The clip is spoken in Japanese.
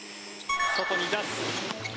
外に出す。